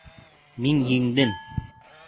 Мин еңдем.